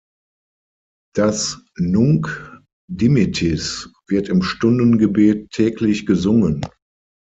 Das "Nunc dimittis" wird im Stundengebet täglich gesungen.